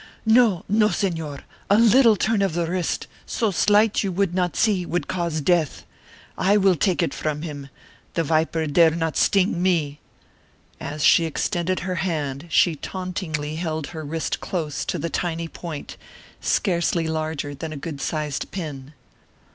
"No, no, Señor, a little turn of the wrist, so slight you would not see, would cause death. I will take it from him; the viper dare not sting me!" As she extended her hand she tauntingly held her wrist close to the tiny point, scarcely larger than a good sized pin.